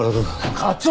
課長！